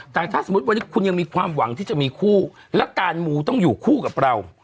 แต่ถ้าสมมุติวันนี้คุณยังมีความหวังที่จะมีคู่และการมูต้องอยู่คู่กับเรา